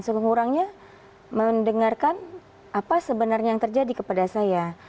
seurang urangnya mendengarkan apa sebenarnya yang terjadi kepada saya